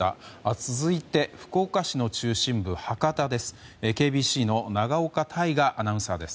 続いて福岡市の中心部博多です。